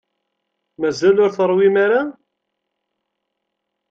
Mazal ur teṛwim ara?